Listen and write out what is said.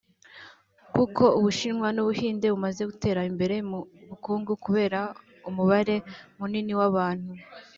kuko Ubushinwa n’Ubuhinde bimaze gutera imbere mu bukungu kubera umubare munini w’abantu